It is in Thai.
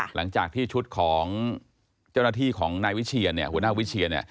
หลังจากที่ชุดของเจ้าหน้าที่ของนายวิเชียนหัวหน้าวิเชีย